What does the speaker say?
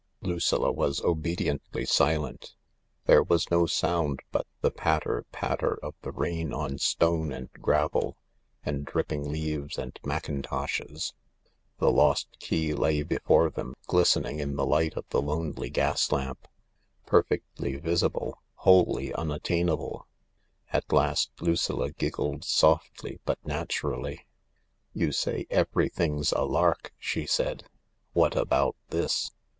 Lucilla was obediently silent. There was no sound but the patter patter of the rain on stone and gravel and dripping leaves and mackintoshes. The lost key lay before them glistening in the light of the lonely gas lamp — perfectly visible, wholly unattainable. At last Lucilla giggled softly but naturally. " You say everything's a lark," she said. " What about this